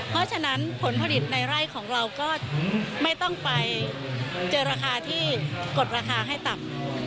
เพราะฉะนั้นผลผลิตในไร่ของเราก็ไม่ต้องไปเจอราคาที่กดราคาให้ต่ำ